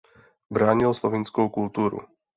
Bránil slovinskou kulturu.